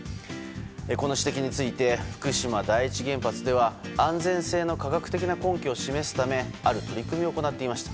この指摘について福島第一原発では安全性の科学的な根拠を示すためある取り組みを行っていました。